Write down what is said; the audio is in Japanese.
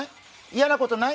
嫌なことない？